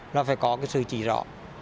là phải có cái sự chỉ rõ